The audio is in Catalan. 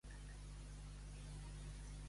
Si Nadal cau en dimarts, festes a sarpats.